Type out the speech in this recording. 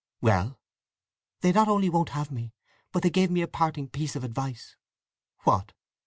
"Well?" "They not only won't have me, but they gave me a parting piece of advice—" "What?"